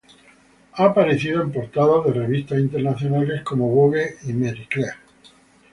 Ha aparecido en portadas de revista internacionales como "Vogue" y "Marie Claire".